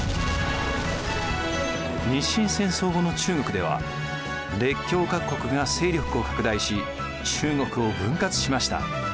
日清戦争後の中国では列強各国が勢力を拡大し中国を分割しました。